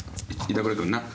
板倉君なっ？